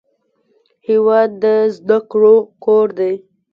هېواد د زده کړو کور دی.